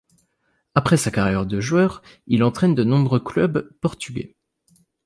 Après sa carrière de joueur il entraîne de nombreux clubs portugais.